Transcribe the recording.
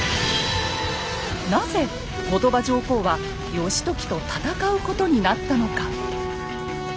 なぜ後鳥羽上皇は義時と戦うことになったのか。